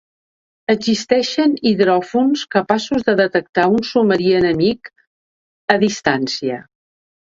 Existeixen hidròfons capaços de detectar un submarí enemic a distància.